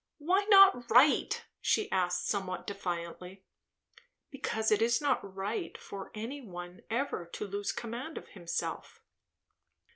"Why not right?" she asked somewhat defiantly. "Because it is not right for any one ever to lose command of himself."